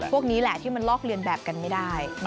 พวกนี้แหละที่มันลอกเรียนแบบกันไม่ได้